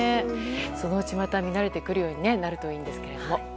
そのうちまた見慣れてくるようになるといいんですけれども。